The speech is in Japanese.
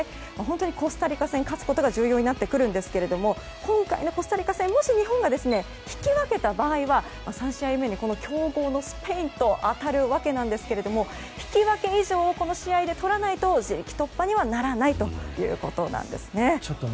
コスタリカ戦に勝つことが重要ですが今回のコスタリカ戦もし日本が引き分けた場合は３試合目に強豪のスペインと当たるわけなんですが引き分け以上をこの試合でとらないと自力突破にはならないということなんです。